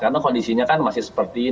karena kondisinya kan masih seperti ini